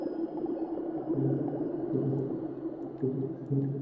স্ট্যাটাসে তিনি সত্যি কথাই হয়তো লিখেছেন, কিন্তু তাঁর বন্ধুকে কিছুটা হেয়ই করেছেন।